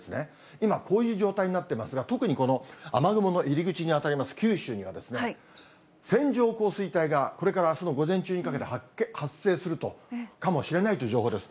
今、こういう状態になってますが、特にこの雨雲の入り口に当たります九州には、線状降水帯がこれからあすの午前中にかけて発生するかもしれないという情報です。